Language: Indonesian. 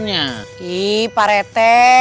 iya pak rt